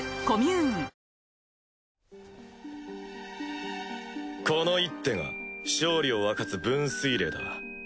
ダンジ：この一手が勝利を分かつ分水れいだ。